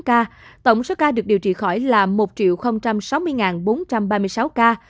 là bốn năm trăm hai mươi bốn ca tổng số ca được điều trị khỏi là một sáu mươi bốn trăm ba mươi sáu ca